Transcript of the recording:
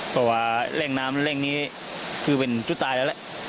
แต่ว่าแรงน้ำแรงนี้คือเป็นชุดตายแล้วแหละ